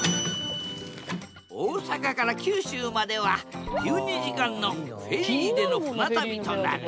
大阪から九州までは１２時間のフェリーでの船旅となる。